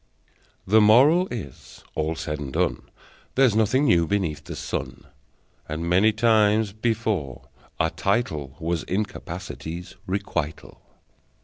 The Moral is: All said and done, There's nothing new beneath the sun, And many times before, a title Was incapacity's requital!